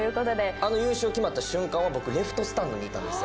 あの優勝決まった瞬間は僕レフトスタンドにいたんですよ。